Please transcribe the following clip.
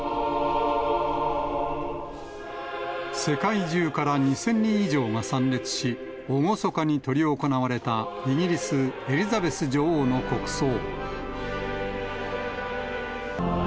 世界中から２０００人以上が参列し、厳かに執り行われたイギリス、エリザベス女王の国葬。